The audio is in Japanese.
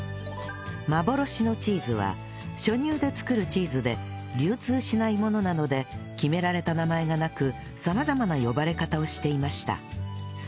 幻のチーズは初乳で作るチーズで流通しないものなので決められた名前がなく様々な呼ばれ方をしていました